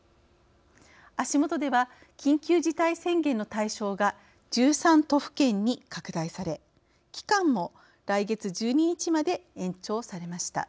足元では緊急事態宣言の対象が１３都府県に拡大され期間も来月１２日まで延長されました。